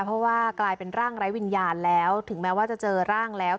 เพราะว่ากลายเป็นร่างไร้วิญญาณแล้วถึงแม้ว่าจะเจอร่างแล้ว